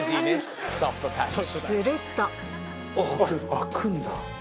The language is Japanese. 開くんだ。